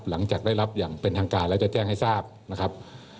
หลังจากได้รับอย่างเป็นทางการแล้วจะแจ้งให้ทราบนะครับ